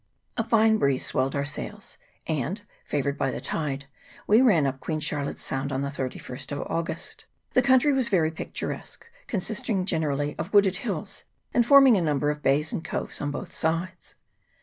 A fine breeze swelled our sails, and, favoured by the tide, we ran up Queen Charlotte's Sound on the 31st of August. The country was very picturesque, consisting generally of wooded hills, and forming a number of bays and coves on both sides.